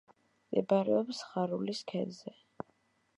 მდებარეობს ხარულის ქედზე.